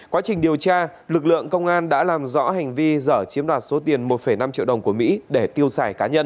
quá trình điều tra lực lượng công an đã làm rõ hành vi dở chiếm đoạt số tiền một năm triệu đồng của mỹ để tiêu xài cá nhân